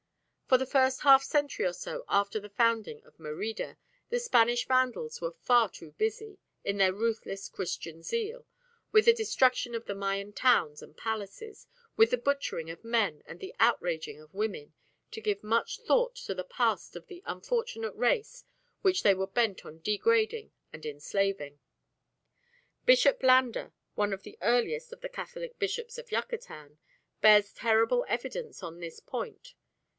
For the first half century or so after the founding of Merida, the Spanish vandals were far too busy, in their ruthless Christian zeal, with the destruction of the Mayan towns and palaces, with the butchering of men and the outraging of women, to give much thought to the past of the unfortunate race which they were bent on degrading and enslaving. Bishop Landa, one of the earliest of the Catholic bishops of Yucatan, bears terrible evidence on this point.